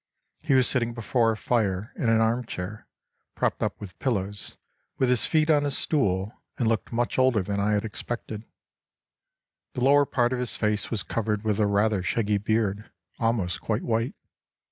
He was sitting before a fire in an arm chair, propped up with pillows, with his feet on a stool, and looked much older than I had expected. The lower part of his face was covered with a rather shaggy beard, almost quite white.